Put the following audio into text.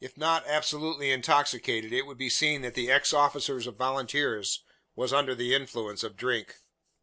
If not absolutely intoxicated, it could be seen that the ex officer of volunteers was under the influence of drink.